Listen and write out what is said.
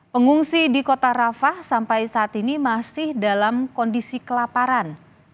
pengungsi di kota rafah sampai saat ini masih dalam kondisi kelaparan